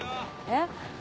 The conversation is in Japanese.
えっ？